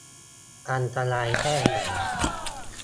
อันตรายแค่ไหน